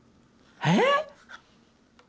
えっ！？